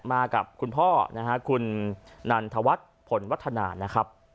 มากับคุณพ่อคุณนันทวัฒน์ผลวัฒนา